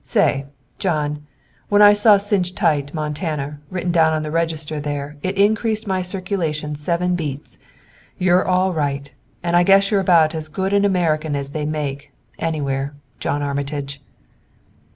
Say, John, when I saw Cinch Tight, Montana, written on the register down there it increased my circulation seven beats! You're all right, and I guess you're about as good an American as they make anywhere John Armitage!"